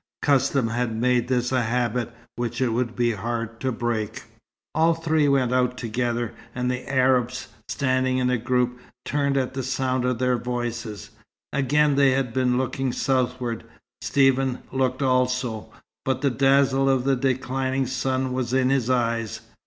Custom had made this a habit which it would be hard to break. All three went out together, and the Arabs, standing in a group, turned at the sound of their voices. Again they had been looking southward. Stephen looked also, but the dazzle of the declining sun was in his eyes.